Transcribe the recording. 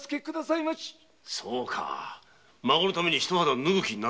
そうか孫のためにひと肌脱ぐ気に？